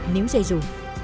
níu dây dù